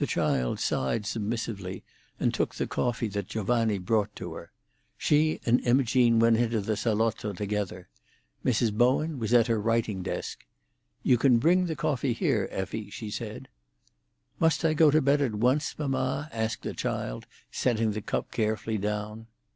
The child sighed submissively and took the coffee that Giovanni brought to her. She and Imogene went into the salotto together. Mrs. Bowen was at her writing desk. "You can bring the coffee here, Effie," she said. "Must I go to bed at once, mamma?" asked the child, setting the cup carefully down.